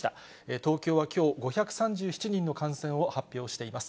東京はきょう、５３７人の感染を発表しています。